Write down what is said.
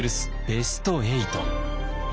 ベスト８。